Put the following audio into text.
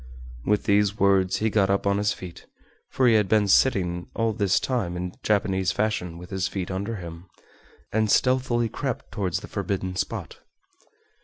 With these words he got up on his feet (for he had been sitting all this time in Japanese fashion with his feet under him) and stealthily crept towards the forbidden spot.